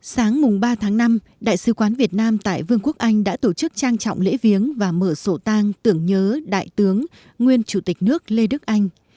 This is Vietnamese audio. sáng ba tháng năm đại sứ quán việt nam tại vương quốc anh đã tổ chức trang trọng lễ viếng và mở sổ tang tưởng nhớ đại tướng nguyên chủ tịch nước lê đức anh